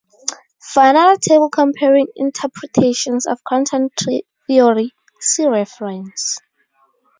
For another table comparing interpretations of quantum theory, see reference.